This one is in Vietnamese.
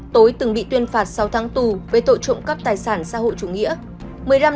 tối từng bị tuyên phạt sáu tháng tù về tội trộm cắp tài sản xã hội chủ nghĩa